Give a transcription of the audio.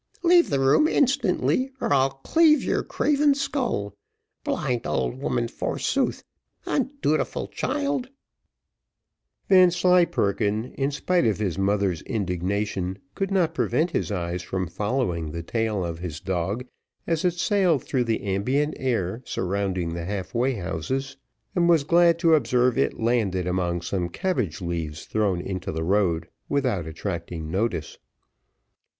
leave the room instantly, or I'll cleave your craven skull. Blind old woman, forsooth undutiful child " Vanslyperken, in spite of his mother's indignation, could not prevent his eyes from following the tail of his dog, as it sailed through the ambient air surrounding the half way houses, and was glad to observe it landed among some cabbage leaves thrown into the road, without attracting notice.